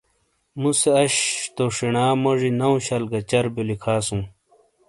مُوسے اش تو شینا موجی نو شل گہ چربیو لکھاسُوں۔